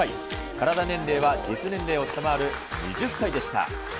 カラダ年齢は実年齢を下回る２０歳でした。